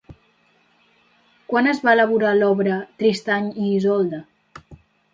Quan es va elaborar l'obra Tristany i Isolda?